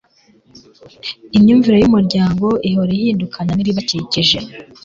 imyumvire y'umuryango ihora ihindukana n'ibibakikije